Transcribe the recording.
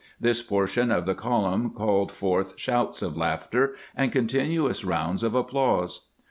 This portion of the column called forth shouts of laughter and con tinuous rounds of applause.